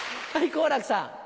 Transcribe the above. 好楽さん。